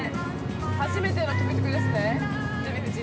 初めてのトゥクトゥクですねデヴィ夫人。